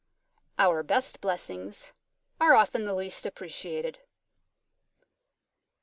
_Our best blessings are often the least appreciated.